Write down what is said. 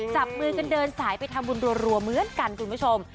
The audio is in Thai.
จับมือกันเดินสายไปทำบุญรัวเหมือนกันคุณผู้ชม